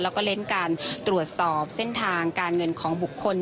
แล้วก็เน้นการตรวจสอบเส้นทางการเงินของบุคคล